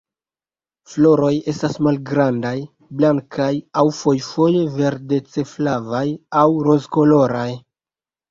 Floroj estas malgrandaj, blankaj aŭ fojfoje verdece-flavaj aŭ rozkoloraj.